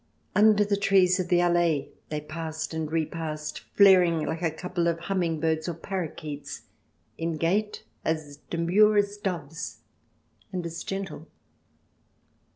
Under the trees of the Allee they passed and repassed, flaring like a couple of humming birds or parro quets, in gait as demure as doves, and as gentle.